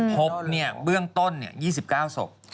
พบเนี่ยเบื้องต้น๒๙ศพ